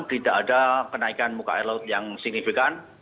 tidak ada kenaikan muka air laut yang signifikan